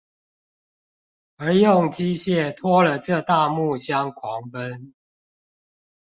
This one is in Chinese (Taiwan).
而用機械拖了這大木箱狂奔